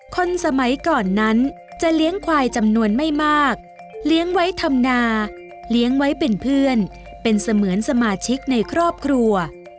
คนสมัยก่อนนั้นจะเลี้ยงควายจำนวนไม่มากเลี้ยงไว้ทำนาเลี้ยงไว้เป็นเพื่อนเป็นเสมือนสมาชิกในครอบครัว